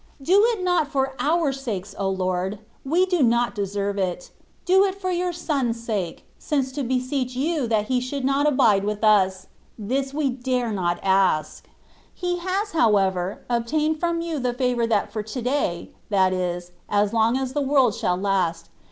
Do it not for our sakes, O Lord ! for we do not deserve it ; do it for Your Son's sake, since to beseech You that He should not abide with us, this we dare not ask. He has, however, obtained from You the favour that for ^^ to day,^^ that is, as long as the world shall last.